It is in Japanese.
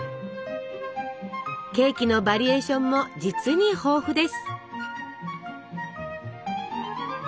ケーキのバリエーションも実に豊富です！